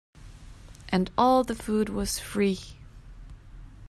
And all the food was free.